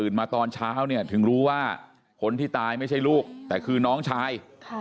มาตอนเช้าเนี่ยถึงรู้ว่าคนที่ตายไม่ใช่ลูกแต่คือน้องชาย